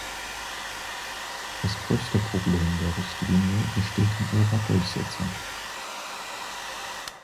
Das größte Problem der Richtlinie besteht in ihrer Durchsetzung.